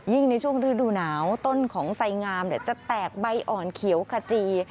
ในช่วงฤดูหนาวต้นของไสงามจะแตกใบอ่อนเขียวขจี